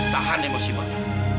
tahan emosi mama